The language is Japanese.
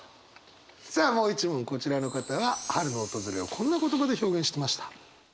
さあもう一問こちらの方は春の訪れをこんな言葉で表現してました。